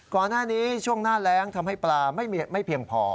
ก่อนหน้านี้ช่วงหน้าแรงทำให้ปลาไม่เพียงพอ